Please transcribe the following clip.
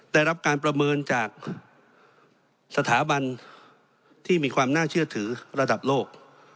ได้รับการประเมินจากสถาบันที่มีความน่าเชื่อถือระดับโลก